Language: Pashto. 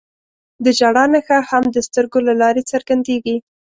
د ژړا نښه هم د سترګو له لارې څرګندېږي